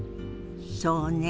そうね。